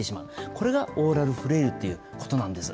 これがオーラルフレイルということなんです。